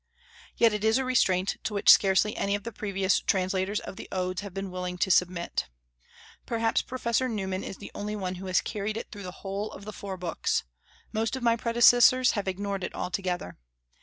Yet it is a restraint to which scarcely any of the previous translators of the Odes have been willing to submit. Perhaps Professor Newman is the only one who has carried it through the whole of the Four Books; most of my predecessors have ignored it altogether.